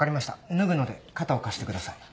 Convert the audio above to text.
脱ぐので肩を貸してください。